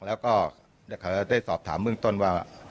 แล้วก็ได้สอบถามเบื้องต้นว่า